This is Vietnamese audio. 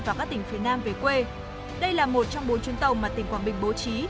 và các tỉnh phía nam về quê đây là một trong bốn chuyến tàu mà tỉnh quảng bình bố trí